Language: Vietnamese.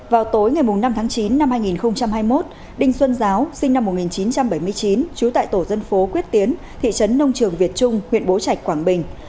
vào tối ngày năm tháng chín năm hai nghìn hai mươi một đinh xuân giáo sinh năm một nghìn chín trăm bảy mươi chín trú tại tổ dân phố quyết tiến thị trấn nông trường việt trung huyện bố trạch quảng bình